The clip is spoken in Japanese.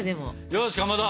よしかまど。